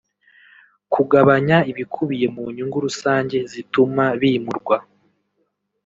kugabanya ibikubiye mu nyungu rusange zituma bimurwa